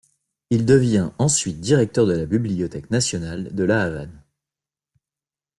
Il devient ensuite directeur de la bibliothèque nationale de La Havane.